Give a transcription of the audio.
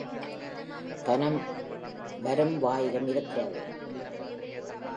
பனம் வரும் வாயிலும் இருக்கிறது.